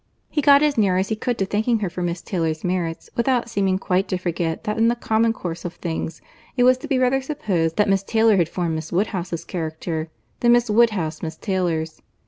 He got as near as he could to thanking her for Miss Taylor's merits, without seeming quite to forget that in the common course of things it was to be rather supposed that Miss Taylor had formed Miss Woodhouse's character, than Miss Woodhouse Miss Taylor's.